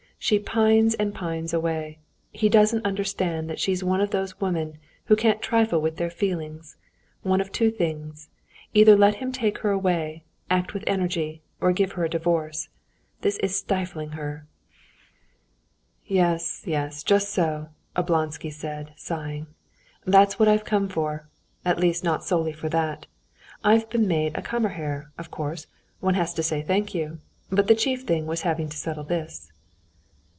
She pines and pines away. He doesn't understand that she's one of those women who can't trifle with their feelings. One of two things: either let him take her away, act with energy, or give her a divorce. This is stifling her." "Yes, yes ... just so...." Oblonsky said, sighing. "That's what I've come for. At least not solely for that ... I've been made a Kammerherr; of course, one has to say thank you. But the chief thing was having to settle this."